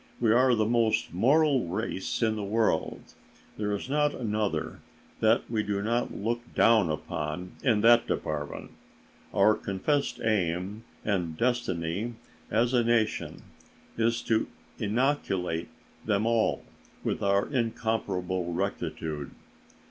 We are the most moral race in the world; there is not another that we do not look down upon in that department; our confessed aim and destiny as a nation is to inoculate them all with our incomparable rectitude.